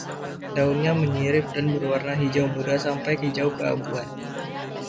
Daunnya menyirip dan berwarna hijau muda sampai hijau keabuan.